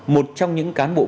một trong những cán bộ